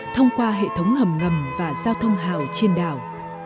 thông qua hệ thống hầm ngầm và giao thông hào trên đảo